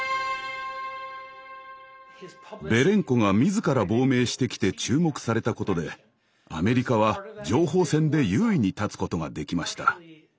ベレンコが自ら亡命してきて注目されたことでアメリカは情報戦で優位に立つことができました。